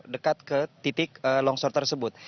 dekat ke titik longsor tersebut